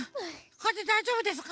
これでだいじょうぶですか？